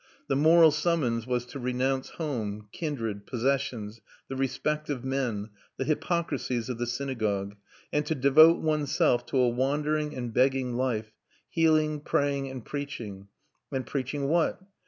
The moral summons was to renounce home, kindred, possessions, the respect of men, the hypocrisies of the synagogue, and to devote oneself to a wandering and begging life, healing, praying, and preaching. And preaching what?